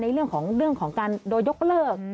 ในเรื่องของการโดยยกเลิก